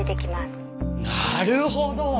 なるほど！